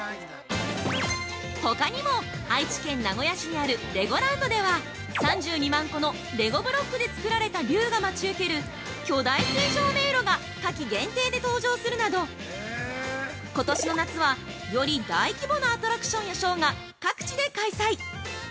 ほかにも、愛知県名古屋市にあるレゴランドでは３２万個のレゴブロックで作られた龍が待ち受ける巨大水上迷路が夏季限定で登場するなどことしの夏は、より大規模なアトラクションやショーが各地で開催！